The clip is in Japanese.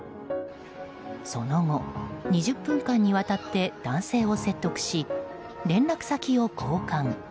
その後、２０分間にわたって男性を説得し連絡先を交換。